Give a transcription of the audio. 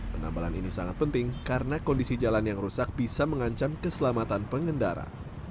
penambalan ini sangat penting karena kondisi jalan yang rusak bisa mengancam keselamatan pengendara